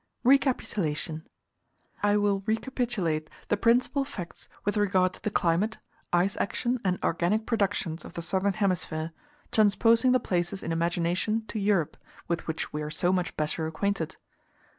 Recapitulation. I will recapitulate the principal facts with regard to the climate, ice action, and organic productions of the southern hemisphere, transposing the places in imagination to Europe, with which we are so much better acquainted.